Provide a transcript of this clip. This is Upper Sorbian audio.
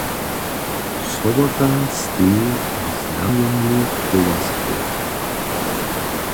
Sobota steji w znamjenju towarstwow.